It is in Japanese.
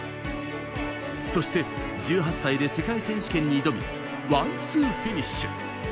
そして１８歳で世界選手権に挑みワンツーフィニッシュ。